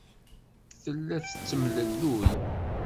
Tella tettemlelluy.